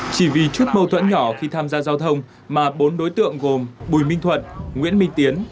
chỉ vì chút mâu thuẫn nhỏ khi tham gia giao thông mà bốn đối tượng gồm bùi minh thuận nguyễn minh tiến